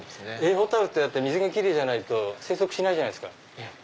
ホタルって水がキレイじゃないと生息しないじゃないですか。